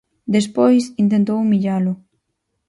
Despois, intentou humillalo.